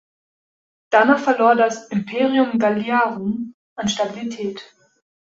Danach verlor das "Imperium Galliarum" an Stabilität.